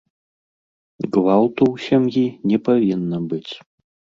Гвалту ў сям'і не павінна быць.